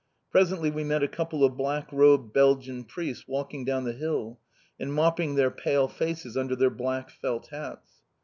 Presently we met a couple of black robed Belgian priests walking down the hill, and mopping their pale faces under their black felt hats.